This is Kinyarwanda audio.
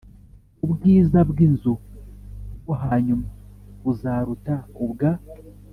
Ubwiza bw iyi nzu bwo hanyuma buzaruta ubwa